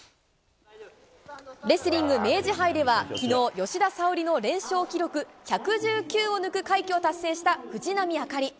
レスリング明治杯ではきのう、吉田沙保里の連勝記録１１９を抜く快挙を達成した藤波朱理。